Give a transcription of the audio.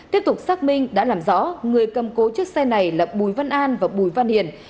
tiếp tục xác minh đã làm rõ người cầm cố chiếc xe này là bùi văn an và bùi văn hiền